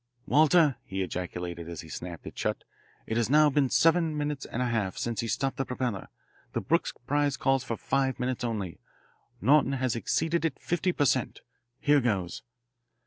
"Walter," he ejaculated as he snapped it shut, "it has now been seven minutes and a half since he stopped his propeller. The Brooks Prize calls for five minutes only. Norton has exceeded it fifty per cent. Here goes."